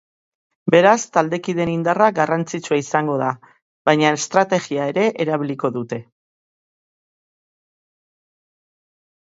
Beraz, taldekideen indarra garrantzitsua izango da, baina estrategia ere erabiliko dute.